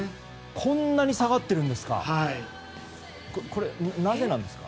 こんなに下がってるんですか。